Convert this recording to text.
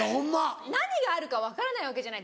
何があるか分からないわけじゃないですか。